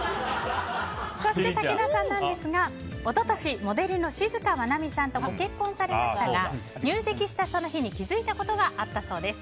そして武田さんですが一昨年、モデルの静まなみさんとご結婚されましたが入籍したその日に気づいたことがあったそうです。